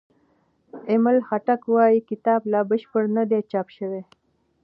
ایمل خټک وايي کتاب لا بشپړ نه دی چاپ شوی.